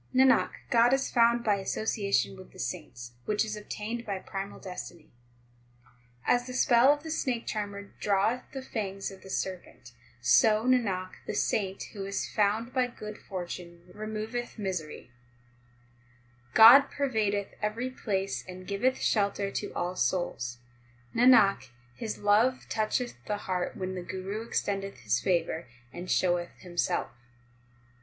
Nanak, God is found by association with the saints, Which is obtained by primal destiny. 16 As the spell of the snake charmer draweth the fangs of the serpent, So, Nanak, the saint who is found by good fortune re moveth misery. HYMNS OF GURU ARJAN 437 17 God pervadeth every place and giveth shelter to all souls ; Nanak, His love toucheth the heart when the Guru extendeth his favour and showeth himself.